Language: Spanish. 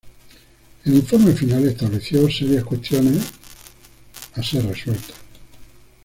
El informe final estableció serias cuestiones a ser resueltas.